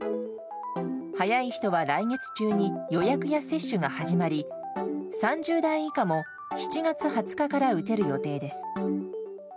早い人は来月中に予約や接種が始まり３０代以下も７月２０日から打てる予定です。